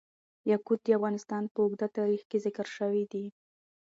یاقوت د افغانستان په اوږده تاریخ کې ذکر شوی دی.